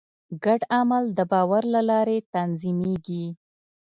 ګډ عمل د باور له لارې تنظیمېږي.